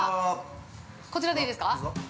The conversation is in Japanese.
こちらでいいですか？